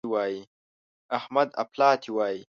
احمد اپلاتي وايي.